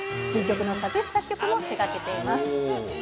新曲の作詞作曲も手がけています。